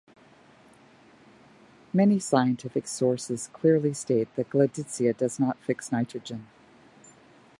Many scientific sources clearly state that "Gleditsia" does not fix nitrogen.